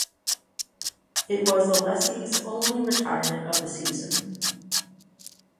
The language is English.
It was Alesi's only retirement of the season.